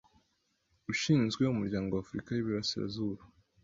ushinzwe Umuryango wa Afurika y’Iburasirazuba,